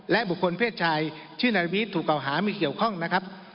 และบุคคลเพศชายชื่อนายวิทย์ถูกเก่าหามีเกี่ยวข้องนะครับ